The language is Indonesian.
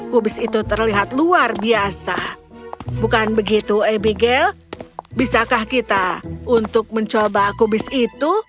kubis itu terlihat luar biasa bukan begitu abigail bisakah kita untuk mencoba kubis itu